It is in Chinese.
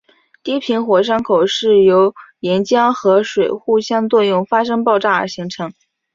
低平火山口是由岩浆和水相互作用发生爆炸而形成。